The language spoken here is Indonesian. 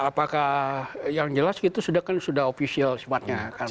apakah yang jelas itu sudah kan sudah ofisial sepertinya